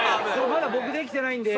まだ僕できてないんで。